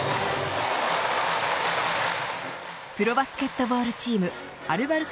プロバスケットボールチームアルバルク